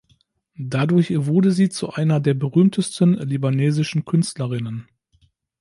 Dadurch wurde sie zu einer der berühmtesten libanesischen Künstlerinnen.